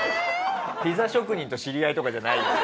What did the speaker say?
ピザ職人と知り合いとかじゃないよね？